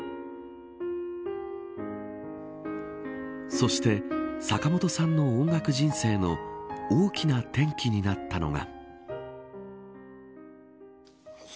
そして、坂本さんの音楽人生の大きな転機になったのが。